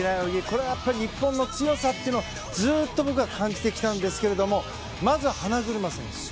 これは日本の強さというのをずっと僕は感じてきたんですがまずは花車選手。